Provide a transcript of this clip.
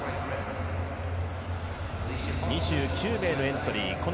２９名のエントリー。